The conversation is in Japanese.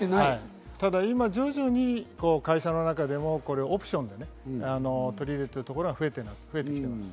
ただ今、徐々に会社の中でもオプションで取り入れているところが増えてきています。